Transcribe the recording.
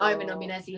oh yang mendominasi